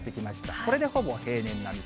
これでほぼ平年並み。